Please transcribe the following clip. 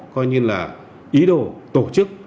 có ý đồ tổ chức